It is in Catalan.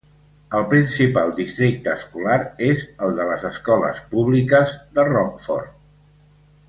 El principal districte escolar és el de les escoles públiques de Rockford.